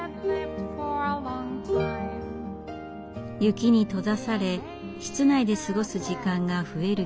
雪に閉ざされ室内で過ごす時間が増える季節。